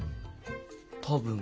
多分。